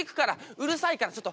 うるさいからちょっと。